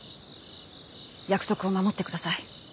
約束を守ってください。